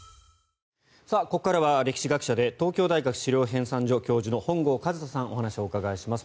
ここからは歴史学者で東京大学史料編纂所教授の本郷和人さんにお話をお伺いします。